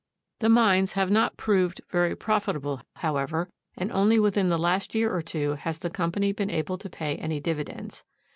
The mines have not proved very profitable, however, and only within the last year or two has the company been able to pay any dividends.